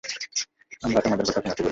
আমরা আমাদের কথা তোমাকে বলেছি।